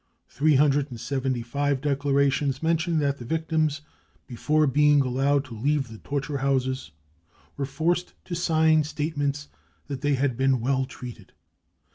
Three hundred and seventy five declarations mention that the victims, before being allowed to leave the torture houses, were forced to sign statements that they had been 44 well treated.